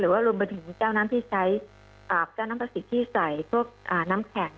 หรือว่ารวมไปถึงแก้วน้ำที่ใช้แก้วน้ำพลาสติกที่ใส่พวกน้ำแข็ง